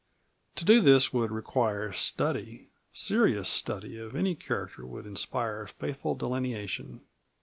To do this would require study. Serious study of any character would inspire faithful delineation.